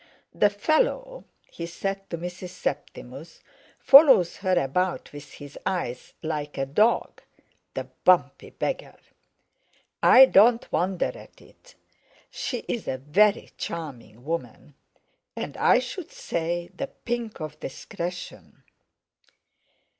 "The fellow," he said to Mrs. Septimus, "follows her about with his eyes like a dog—the bumpy beggar! I don't wonder at it—she's a very charming woman, and, I should say, the pink of discretion!"